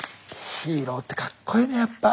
ヒーローってかっこいいねやっぱ。